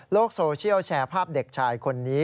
โซเชียลแชร์ภาพเด็กชายคนนี้